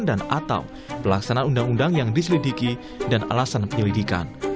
dan atau pelaksanaan undang undang yang diselidiki dan alasan penyelidikan